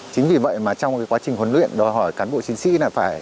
chính vì vậy mà trong quá trình huấn luyện đòi hỏi cán bộ chiến sĩ là phải phân bổ được